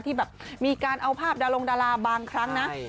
ที่แบบมีการเอาภาพดารงดาราบางครั้งนะ